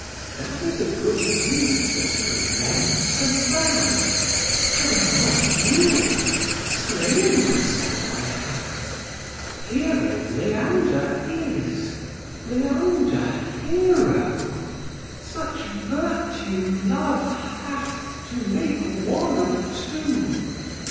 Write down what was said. That is a good deed that prevents a bad; Had I not yielded, slain myself I had. Hero Leander is, Leander Hero; Such virtue love hath to make one of two.